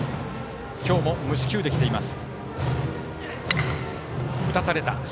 今日も無四球できています。